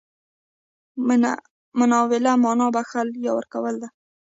مناوله مانا بخښل، يا ورکول ده.